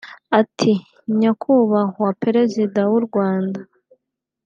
Ati “Nyakubahwa Perezida w’u Rwanda